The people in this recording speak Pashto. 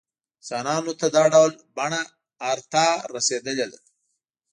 انسانانو ته دا ډول بڼه ارثاً رسېدلې ده.